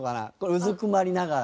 うずくまりながら。